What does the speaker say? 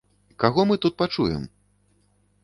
Каго мы тут пачуем?